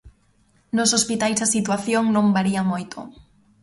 Nos hospitais a situación non varía moito.